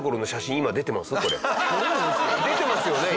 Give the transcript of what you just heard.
出てますよね？